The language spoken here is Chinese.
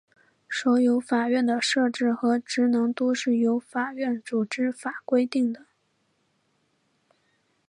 所有法院的设置和职能都是由法院组织法规定的。